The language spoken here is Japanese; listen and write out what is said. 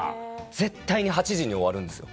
絶対に８時に終わるんですよ。